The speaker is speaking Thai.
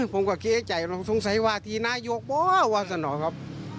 ผมก็เค้ใจสงสัยว่าที่นายกว่าจะหรอครับ